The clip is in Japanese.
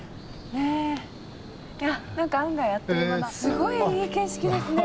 すごいいい景色ですね。